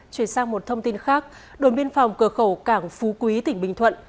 chuyển sang một thông tin khác đồn biên phòng cửa khẩu cảng phú quý tỉnh bình thuận